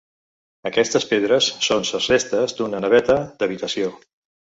Aquestes pedres són ses restes d'una naveta d'habitació.